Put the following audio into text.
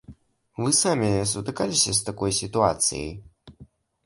Вы самі сутыкаліся з такой сітуацыяй?